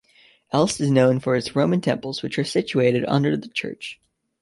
Elst is known for its Roman temples, which are situated under the church.